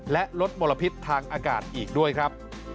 และลดมลพิษทางอากาศอีกด้วยครับ